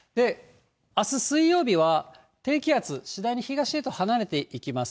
あす水曜日は低気圧、次第に東へと離れていきます。